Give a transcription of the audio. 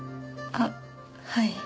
あっはい。